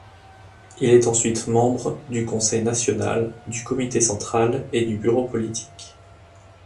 Il est ensuite membre du conseil national, du comité central et du bureau politique.